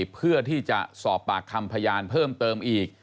เพื่อที่จะสอบปากคำพยานเพิ่มเติมอีก